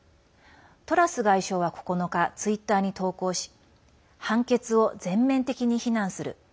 トラス外相は９日ツイッターに投稿し判決を全面的に非難する。